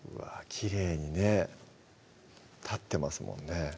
きれいにね立ってますもんね